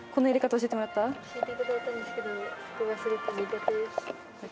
教えていただいたんですけど、オッケー。